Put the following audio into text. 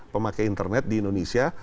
pemakai internet di indonesia